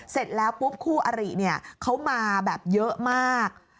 เสร็จแล้วปุ๊บคู่อริเนี่ยเขามาแบบเยอะมาก